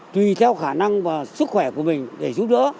tùy theo khả năng và sức khỏe của mình để giúp đỡ